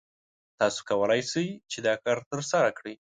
تاسو څنګه کولی شئ چې دا کار ترسره کړئ؟